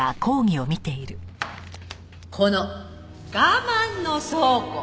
「この我慢の倉庫」